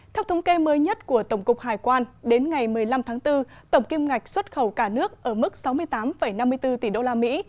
theo thống kê mới nhất của tổng cục hải quan đến ngày một mươi năm tháng bốn tổng kim ngạch xuất khẩu cả nước ở mức sáu mươi tám năm mươi bốn tỷ đô la mỹ